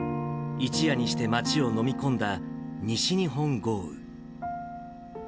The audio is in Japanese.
一夜にして町をのみ込んだ西日本豪雨。